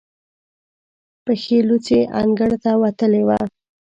پښې لوڅې انګړ ته وتلې وه.